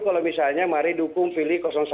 kalau misalnya mari dukung pilih satu